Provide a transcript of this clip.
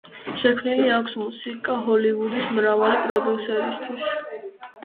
შექმნილი აქვს მუსიკა ჰოლივუდის მრავალი პროდუქტისთვის.